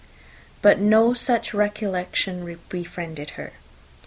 But no such recollection befriended her.